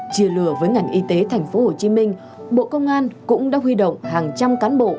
chia lừa với ngành y tế thành phố hồ chí minh bộ công an cũng đã huy động hàng trăm cán bộ